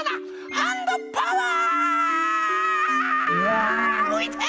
ハンドパワー！